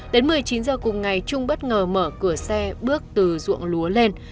đến một mươi chín giờ cùng ngày trung bất ngờ mở cửa xe bước từ ruộng lúa lên